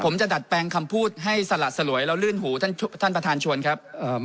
ผมจะดัดแปลงคำพูดให้สละสลวยแล้วลื่นหูท่านท่านประธานชวนครับ